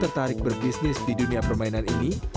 tertarik berbisnis di dunia permainan ini